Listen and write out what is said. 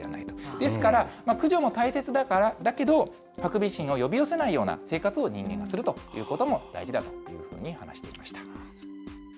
ですから、駆除も大切だけど、ハクビシンを呼び寄せないような生活を人間がするということも大事だというふうに話していました。